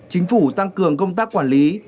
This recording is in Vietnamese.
chính phủ tăng cường công tác quản lý